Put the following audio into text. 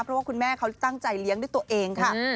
เพราะว่าคุณแม่เขาตั้งใจเลี้ยงด้วยตัวเองค่ะ